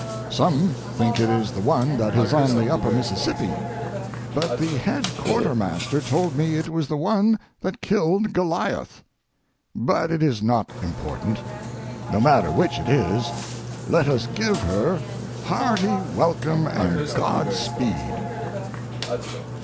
Some think it is the one that is on the upper Mississippi, but the head quartermaster told me it was the one that killed Goliath. But it is not important. No matter which it is, let us give her hearty welcome and godspeed.